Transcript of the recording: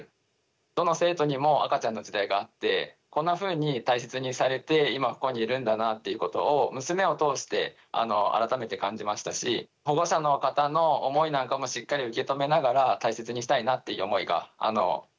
どの生徒にも赤ちゃんの時代があってこんなふうに大切にされて今ここにいるんだなっていうことを娘を通して改めて感じましたし保護者の方の思いなんかもしっかり受け止めながら大切にしたいなっていう思いが強まりました。